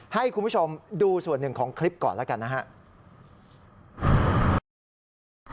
ให้คุณผู้ชมดูส่วนหนึ่งของคลิปก่อนแล้วกันนะครับ